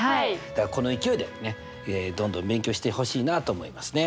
この勢いでどんどん勉強してほしいなと思いますね！